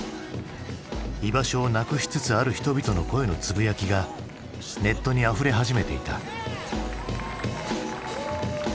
居場所をなくしつつある人々の声のつぶやきがネットにあふれ始めていた。